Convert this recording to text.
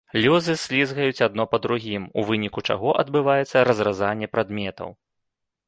Лёзы слізгаюць адно па другім, у выніку чаго адбываецца разразанне прадметаў.